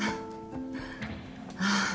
ああ。